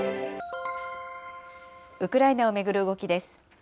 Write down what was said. ウクライナを巡る動きです。